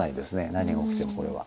何が起きてもこれは。